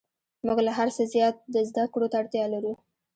موږ له هر څه زیات زده کړو ته اړتیا لرو